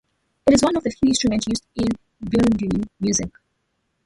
It is one of the few instruments used in Bedouin music.